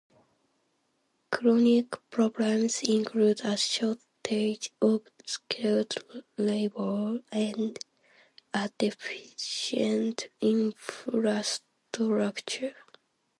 Chronic problems include a shortage of skilled labour and a deficient infrastructure.